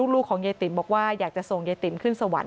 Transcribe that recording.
ลูกของยายติ๋มบอกว่าอยากจะส่งยายติ๋มขึ้นสวรรค